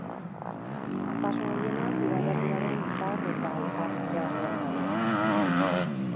Baso gehienak udalerriaren ipar eta ipar-mendebaldean daude.